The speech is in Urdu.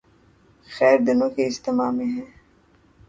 خیر دونوں کے اجتماع میں ہے۔